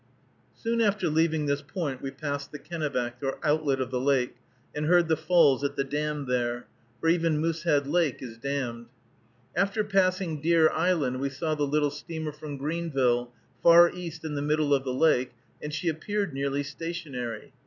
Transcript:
Soon after leaving this point we passed the Kennebec, or outlet of the lake, and heard the falls at the dam there, for even Moosehead Lake is dammed. After passing Deer Island, we saw the little steamer from Greenville, far east in the middle of the lake, and she appeared nearly stationary.